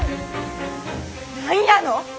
何やの！？